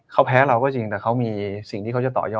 เขาแพ้เราก็จริงแต่เขามีสิ่งที่เขาจะต่อยอด